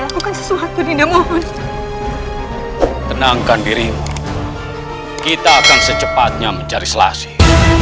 lakukan sesuatu di mohon tenangkan diri kita akan secepatnya mencari selassie